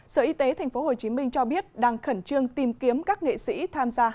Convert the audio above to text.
sở y tế tp hcm cho biết đang khẩn trương tìm kiếm các nghệ sĩ tham gia